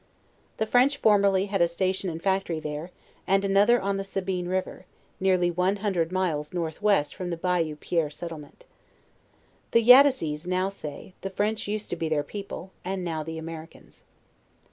The French formerly had a station and factory there, and another on the Sabir.e river, neaily one hundred miles north west from the Bayou Pierre settlement. The Yattassees now say, the French used to be their people, and now the Americans.